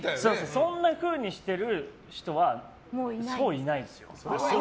そんなふうにしてる人はそういないですよ。